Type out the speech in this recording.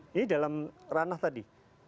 ini dalam ranah tadi